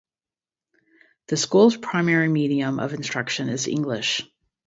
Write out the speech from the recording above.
The school's primary medium of instruction is English.